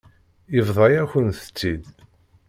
Yebḍa-yakent-t-id.